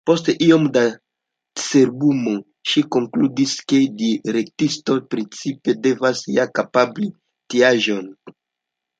Post iom da cerbumo ŝi konkludis, ke direktistoj principe devas ja kapabli tiaĵojn.